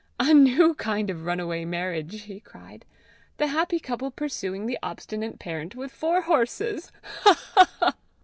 "A new kind of runaway marriage!" he cried. "The happy couple pursuing the obstinate parent with four horses! Ha! ha! ha!"